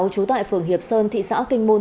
chú tại phường hiệp sơn thị xã kinh môn